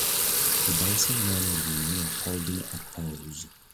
The dancing man and woman are holding a pose.